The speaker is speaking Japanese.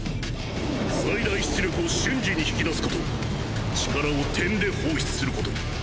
最大出力を瞬時に引き出すこと力を点で放出すること。